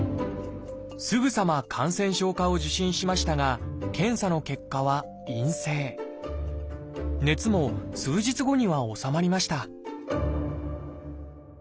すぐさま感染症科を受診しましたが検査の結果は熱も数日後には治まりました